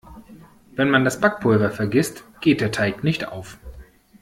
Wenn man das Backpulver vergisst, geht der Teig nicht auf.